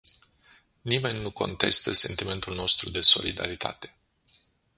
Nimeni nu contestă sentimentul nostru de solidaritate.